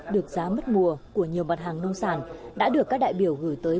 được giá mất mùa của nhiều mặt hàng nông sản đã được các đại biểu gửi tới